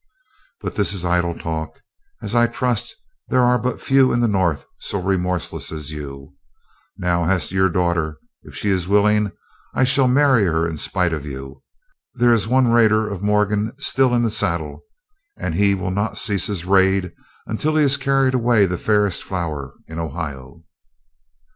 But this is idle talk, as I trust there are but few in the North so remorseless as you. Now, as to your daughter; if she is willing, I shall marry her in spite of you. There is one raider of Morgan still in the saddle, and he will not cease his raid until he has carried away the fairest flower in Ohio."